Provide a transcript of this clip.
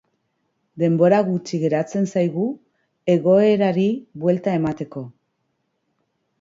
Denbora gutxi geratzen zaigu egoerari buelta emateko.